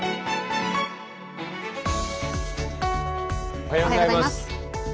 おはようございます。